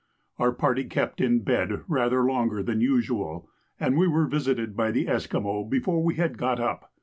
Our party kept in bed rather longer than usual, and we were visited by the Esquimaux before we had got up.